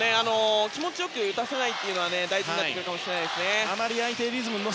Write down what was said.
気持ちよく打たせないことが大事になってくるかもしれないですね。